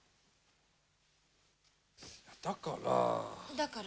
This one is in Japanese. だから。